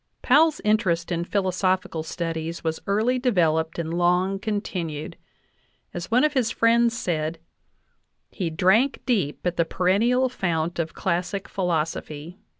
Powell's interest in philosophical studies was early devel oped and long continued; as one of his friends said: "He drank deep at the perennial fount of classic philosophy